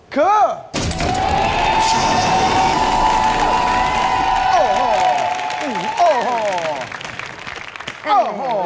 คือ